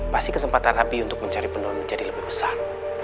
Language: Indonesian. pasti kesempatan abi untuk mencari penduduk menjadi lebih besar